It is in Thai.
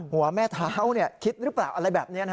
หัวแม่เท้าคิดหรือเปล่าอะไรแบบนี้